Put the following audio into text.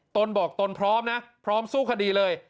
ตนบอกตนพร้อมนะพร้อมสู้คดีเลย